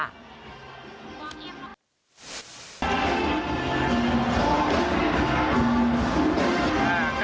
๓หันเลขค่ะ